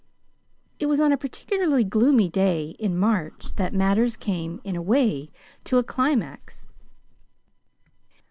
It was on a particularly gloomy day in March that matters came, in a way, to a climax.